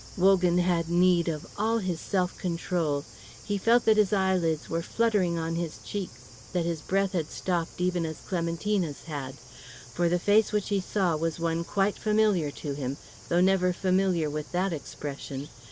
Wogan had need of all his self control. He felt that his eyelids were fluttering on his cheeks, that his breath had stopped even as Clementina's had. For the face which he saw was one quite familiar to him, though never familiar with that expression.